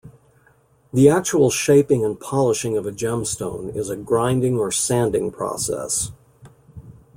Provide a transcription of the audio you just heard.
The actual shaping and polishing of a gemstone is a grinding or sanding process.